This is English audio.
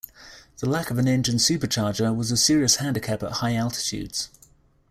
The lack of an engine supercharger was a serious handicap at high altitudes.